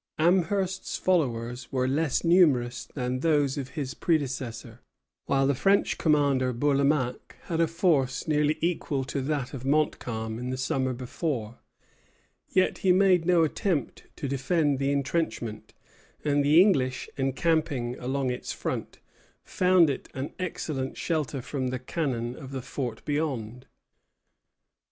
Amherst's followers were less numerous than those of his predecessor, while the French commander, Bourlamaque, had a force nearly equal to that of Montcalm in the summer before; yet he made no attempt to defend the intrenchment, and the English, encamping along its front, found it an excellent shelter from the cannon of the fort beyond.